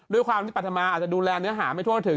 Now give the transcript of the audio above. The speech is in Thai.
ด้วยความที่ปรัฐมาอาจจะดูแลเนื้อหาไม่ทั่วถึง